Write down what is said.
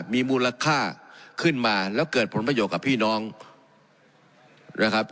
มีมูลค่าขึ้นมาแล้วเกิดผลประโยชน์กับพี่น้องนะครับ